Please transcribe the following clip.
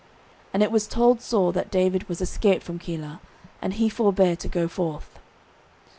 And it was told Saul that David was escaped from Keilah; and he forbare to go forth.